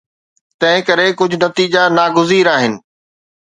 تنهن ڪري ڪجهه نتيجا ناگزير آهن.